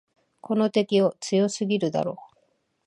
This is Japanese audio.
この敵、強すぎるだろ。